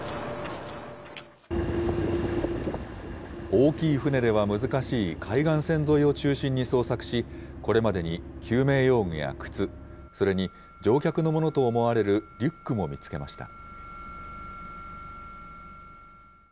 大きい船では難しい海岸線沿いを中心に捜索し、これまでに救命用具や靴、それに乗客のものと思われるリュックも見つけました。